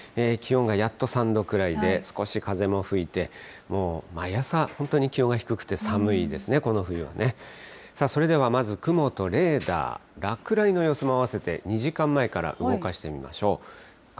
気温がやっと３度くらいで、少し風も吹いて、もう毎朝、本当に気温が低くて寒いですね、この冬はね。さあ、それでは、まず雲とレーダー、落雷の様子もあわせて２時間前から動かしてみましょう。